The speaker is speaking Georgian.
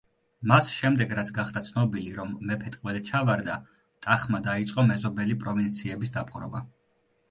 მას შემდეგ რაც გახდა ცნობილი, რომ მეფე ტყვედ ჩავარდა „ტახმა“ დაიწყო მეზობელი პროვინციების დაპყრობა.